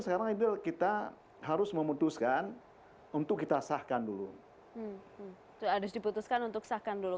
sekarang itu kita harus memutuskan untuk kita sahkan dulu habis diputuskan untuk sahkan dulu